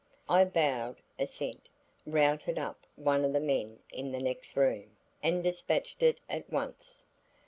I bowed assent, routed up one of the men in the next room and despatched it at once.